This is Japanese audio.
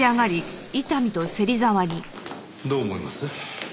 どう思います？